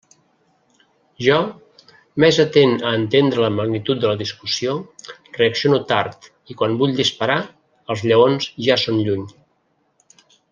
Jo, més atent a entendre la magnitud de la discussió, reacciono tard i quan vull disparar els lleons ja són lluny.